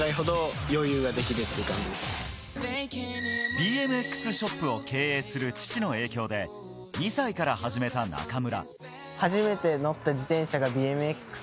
ＢＭＸショップを経営する父の影響で２歳から始めた中村。